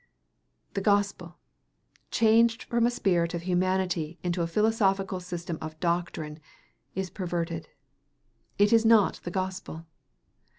The gospel, changed from a spirit of humanity into a philosophical system of doctrine, is perverted. It is not the gospel.